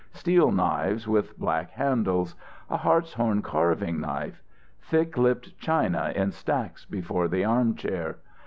Steel knives with black handles. A hart's horn carving knife. Thick lipped china in stacks before the armchair.